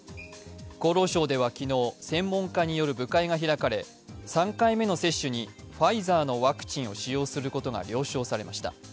厚労省では昨日、専門家による部会が開かれ３回目の接種にファイザーのワクチンを使用することが了承されました。